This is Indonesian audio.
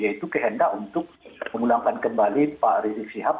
yaitu kehendak untuk mengulangkan kembali pak rizik syihab